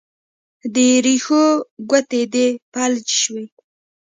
د رېښو ګوتې دې فلج شوي